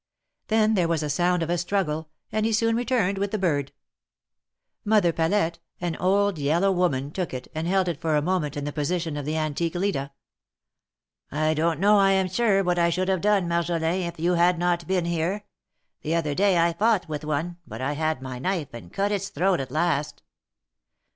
Then there w^as a sound of a struggle, and he soon returned with the bird. Mother Palette, an old, yellow woman, took it and held it for a moment in the position of the antique Leda. 13 206 THE MARKETS OF PARIS. I don^t know, I am sure, what I should have done, Marjolin, if you had not been here. The other day I fought with one, but I had my knife, and cut its throat at last.